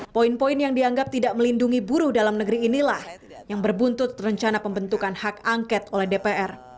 poin poin yang dianggap tidak melindungi buruh dalam negeri inilah yang berbuntut rencana pembentukan hak angket oleh dpr